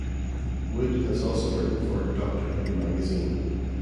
Wood has also written for "Doctor Who Magazine".